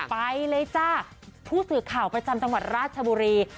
ไปเลยจ้าผู้สื่อข่าวประจำจังหวัดราชบุรี